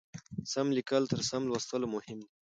سم لیکل تر سم لوستلو مهم دي.